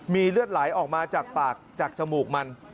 มีเลือดไหลออกมาจากปากจากจมูกมัน